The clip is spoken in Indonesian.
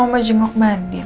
kamu mau jemok mandin